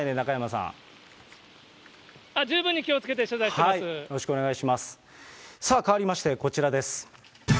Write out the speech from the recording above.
さあ、変わりまして、こちらです。